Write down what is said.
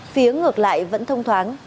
phía ngược lại vẫn thông thoáng